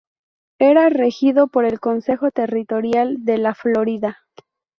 Era regido por el Consejo Territorial de la Florida.